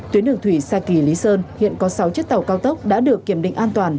tuyến đường thủy xa kỳ lý sơn hiện có sáu chiếc tàu cao tốc đã được kiểm định an toàn